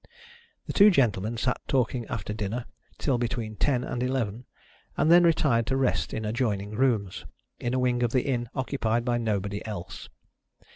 The two gentlemen sat talking after dinner till between ten and eleven, and then retired to rest in adjoining rooms, in a wing of the inn occupied by nobody else.